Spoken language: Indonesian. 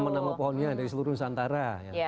nama nama pohonnya dari seluruh nusantara